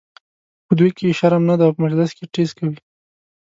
په دوی کې شرم نه دی او په مجلس کې ټیز کوي.